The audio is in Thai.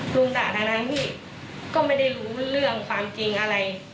รูมด่าดานายพี่ก็ไม่ได้รู้เรื่องความจริงอะไร